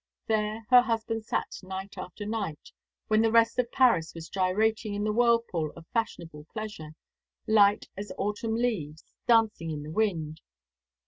There her husband sat night after night, when the rest of Paris was gyrating in the whirlpool of fashionable pleasure, light as autumn leaves dancing in the wind.